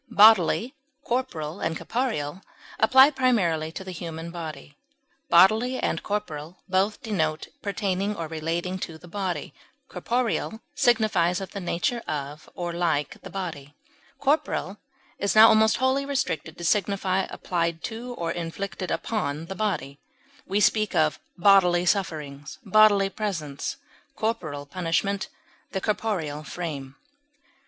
Bodily, corporal, and corporeal apply primarily to the human body; bodily and corporal both denote pertaining or relating to the body; corporeal signifies of the nature of or like the body; corporal is now almost wholly restricted to signify applied to or inflicted upon the body; we speak of bodily sufferings, bodily presence, corporal punishment, the corporeal frame.